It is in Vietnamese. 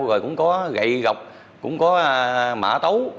rồi cũng có gậy gọc cũng có mã tấu